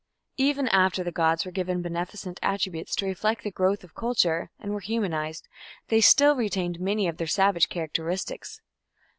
_ Even after the gods were given beneficent attributes to reflect the growth of culture, and were humanized, they still retained many of their savage characteristics.